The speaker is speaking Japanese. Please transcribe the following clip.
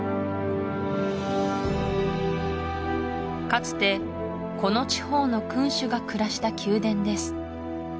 かつてこの地方の君主が暮らした宮殿です